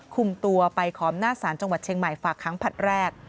คุมตัวไปขออำนาจศาลจังหวัดเชียงใหม่ฝากครั้งผลัดแรก